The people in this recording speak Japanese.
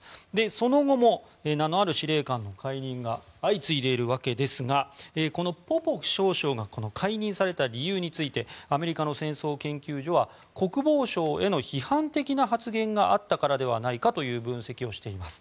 その後も名のある司令官の解任が相次いでいるわけですがこのポポフ少将が解任された理由についてアメリカの戦争研究所は国防省への批判的な発言があったからではないかという分析をしています。